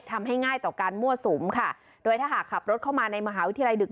ง่ายต่อการมั่วสุมค่ะโดยถ้าหากขับรถเข้ามาในมหาวิทยาลัยดึก